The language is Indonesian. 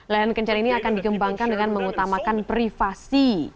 lahan kencan ini akan dikembangkan dengan mengutamakan privasi